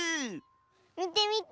みてみて。